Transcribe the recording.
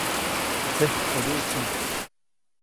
Tsekjtoyuʼtsi.